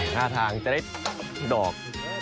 ท่าทางจะได้ดอก